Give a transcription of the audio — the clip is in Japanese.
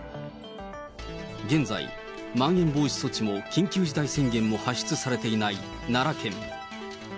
現在、まん延防止措置も緊急事態宣言も発出されていない奈良県。